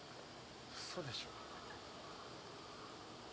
嘘でしょ？